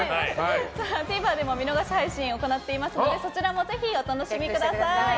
ＴＶｅｒでも見逃し配信行っておりますのでそちらもぜひお楽しみください。